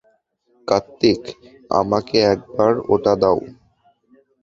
কার্তিক, আমাকে একবার ওটা দাও!